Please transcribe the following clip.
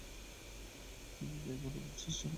তিনি দয়ানন্দের শিষ্য হতে আগ্রহী ছিলেন।